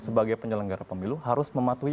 sebagai penyelenggara pemilu harus mematuhi